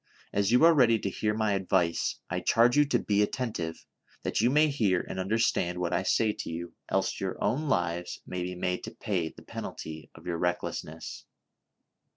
As you are ready to hear my advice, I charge you to be attentive, that you may hear and understand what I say to you, else your own lives may be made to pay the penalty of your recklessness.